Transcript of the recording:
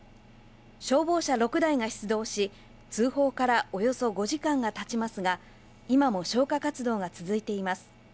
消防車６台が出動し、通報からおよそ５時間がたちますが、今も消火活動が続いています。